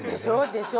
でしょ。